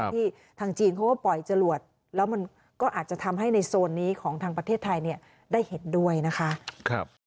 ที่ทางจีนเขาก็ปล่อยจรวดแล้วมันก็อาจจะทำให้ในโซนนี้ของทางประเทศไทยได้เห็นด้วยนะคะ